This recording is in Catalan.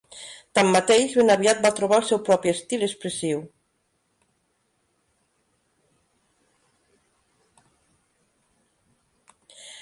Tanmateix, ben aviat va trobar el seu propi estil expressiu.